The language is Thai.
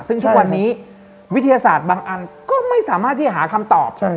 ซึ่งทุกวันนี้วิทยาศาสตร์บางอันก็ไม่สามารถที่จะหาคำตอบ